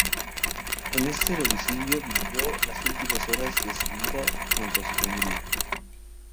En ese domicilio vivió las últimas horas de vida, junto a su familia.